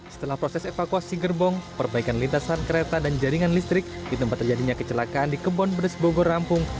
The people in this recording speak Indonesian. setelah proses evakuasi gerbong perbaikan lintasan kereta dan jaringan listrik di tempat terjadinya kecelakaan di kebon pedes bogor rampung